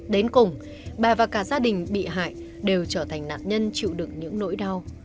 đến cùng bà và cả gia đình bị hại đều trở thành nạn nhân chịu đựng những nỗi đau